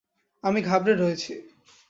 আমি ঘাবড়ে রয়েছি।